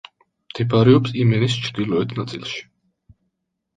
მდებარეობს იემენის ჩრდილოეთ ნაწილში.